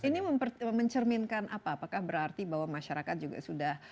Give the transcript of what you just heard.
ini mencerminkan apa apakah berarti bahwa masyarakat juga sudah